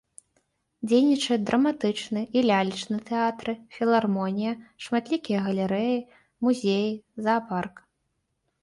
Дзейнічаюць драматычны і лялечны тэатры, філармонія, шматлікія галерэі, музеі, заапарк.